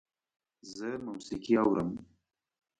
زه موسیقي اورم